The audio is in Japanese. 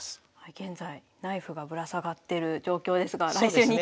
現在ナイフがぶら下がってる状況ですが来週にいってしまうんですね。